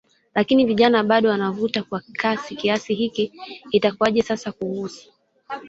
lakini vijana bado wanavuta kwa kasi kiasi hiki itakuaje sasa kuhusu